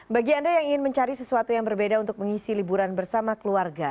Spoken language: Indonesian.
bagi anda yang ingin mencari sesuatu yang berbeda untuk mengisi liburan bersama keluarga